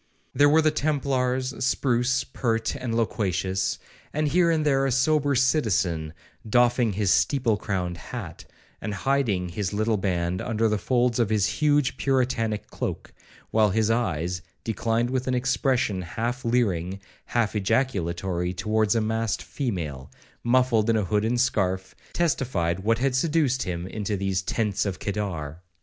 There were the templars, spruce, pert, and loquacious; and here and there a sober citizen, doffing his steeple crowned hat, and hiding his little band under the folds of his huge puritanic cloke, while his eyes, declined with an expression half leering, half ejaculatory, towards a masked female, muffled in a hood and scarf, testified what had seduced him into these 'tents of Kedar.'